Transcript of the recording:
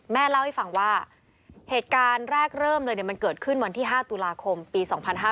เล่าให้ฟังว่าเหตุการณ์แรกเริ่มเลยมันเกิดขึ้นวันที่๕ตุลาคมปี๒๕๕๙